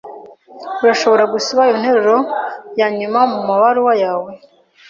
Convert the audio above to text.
Urashobora gusiba iyo nteruro yanyuma mumabaruwa yawe.